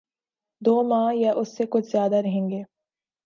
دو ماہ یا اس سے کچھ زیادہ رہیں گے۔